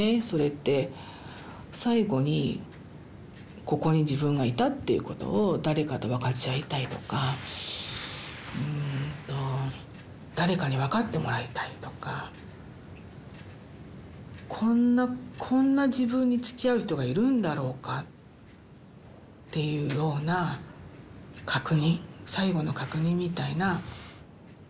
それって最後にここに自分がいたっていうことを誰かとわかち合いたいとかうんと誰かにわかってもらいたいとかこんなこんな自分につきあう人がいるんだろうかっていうような確認最後の確認みたいな。